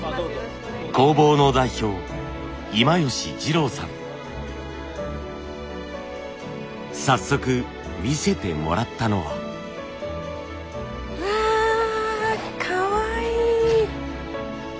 工房の早速見せてもらったのは。わかわいい！